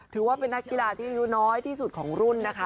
ถือว่าเป็นนักกีฬาที่อายุน้อยที่สุดของรุ่นนะคะ